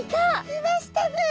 いましたね！